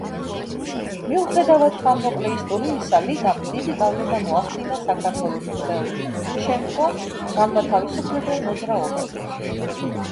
მიუხედავად ხანმოკლე ისტორიისა, ლიგამ დიდი გავლენა მოახდინა საქართველოს მთელ შემდგომ განმათავისუფლებელ მოძრაობაზე.